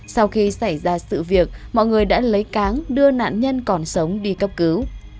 sau khi xảy ra sự việc mọi người đã lấy cáng đưa nạn nhân còn sống đi cấp cứu